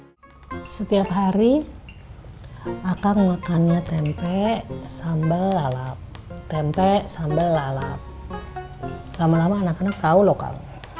hai setiap hari akan makannya tempe sambal lalap tempe sambal lalap lama lama anak anak kau lokal